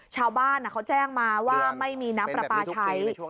ชาวบ้านเขาแจ้งมาว่าไม่มีน้ำปลาปลาใช้